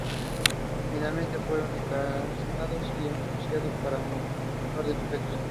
Finalmente fueron encarcelados y enjuiciados un par de sujetos.